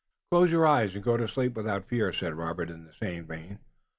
"Close your eyes and go to sleep without fear," said Robert in the same vein.